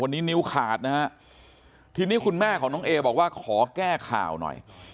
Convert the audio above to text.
วันนี้นิ้วขาดนะฮะทีนี้คุณแม่ของน้องเอบอกว่าขอแก้ข่าวหน่อย